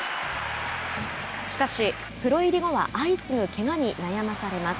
しかし、プロ入り後は相次ぐけがに悩まされます。